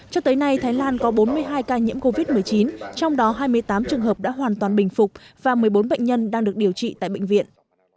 cho tới nay thái lan có bốn mươi hai ca nhiễm covid một mươi chín trong đó hai mươi tám trường hợp đã hoàn toàn bình phục và một mươi bốn bệnh nhân đang được điều trị tại bệnh viện